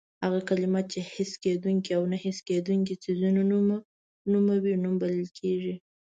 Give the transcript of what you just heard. هغه کلمه چې حس کېدونکي او نه حس کېدونکي څیزونه نوموي نوم بلل کېږي.